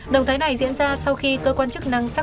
động thái này diễn ra sau khi cơ quan chức năng sắc phục